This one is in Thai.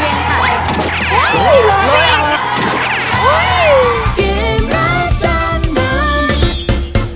เฮ้ยร้อนนี่